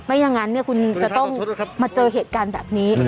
อย่างนั้นคุณจะต้องมาเจอเหตุการณ์แบบนี้